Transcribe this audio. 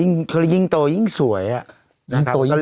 นะฮะยิ่งโตยิ่งสวยอะ